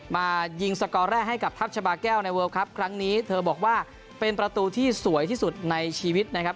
มายิงสกอร์แรกให้กับทัพชาบาแก้วในเวิร์ลครับครั้งนี้เธอบอกว่าเป็นประตูที่สวยที่สุดในชีวิตนะครับ